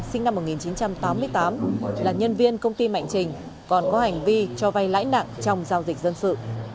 sinh năm một nghìn chín trăm tám mươi tám là nhân viên công ty mạnh trình còn có hành vi cho vay lãi nặng trong giao dịch dân sự